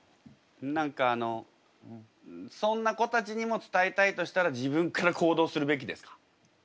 何かあのそんな子たちにも伝えたいとしたら自分から行動するべきですか？